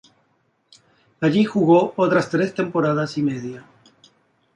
Allí jugó otras tres temporadas y media.